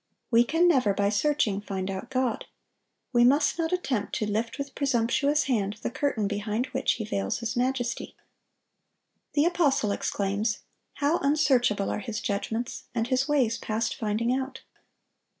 We can never by searching find out God. We must not attempt to lift with presumptuous hand the curtain behind which He veils His majesty. The apostle exclaims, "How unsearchable are His judgments, and His ways past finding out!"